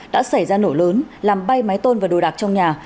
đã xảy ra nổ lớn làm bay máy tôn và đồ đạc trong nhà